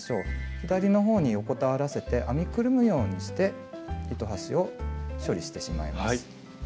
左の方に横たわらせて編みくるむようにして糸端を処理してしまいます。